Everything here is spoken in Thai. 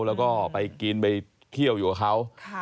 แล้วก็ไปกินไปเที่ยวอยู่กับเขา